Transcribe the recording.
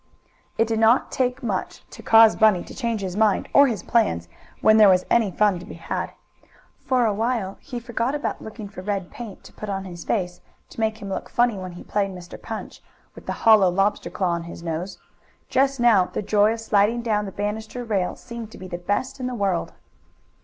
It did not take much to cause Bunny to change his mind or his plans when there was any fun to be had. For a while he forgot about looking for red paint to put on his face to make him look funny when he played Mr. Punch, with the hollow lobster claw on his nose. Just now the joy of sliding down the banister rail seemed to be the best in the world.